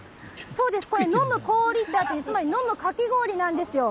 そうです、飲む氷とあって、つまり、飲むかき氷なんですよ。